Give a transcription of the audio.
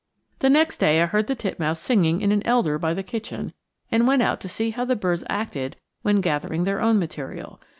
The next day I heard the titmouse singing in an elder by the kitchen, and went out to see how the birds acted when gathering their own material.